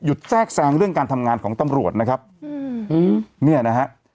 อยู่แจ้งแซงเรื่องการทำงานของตำรวจ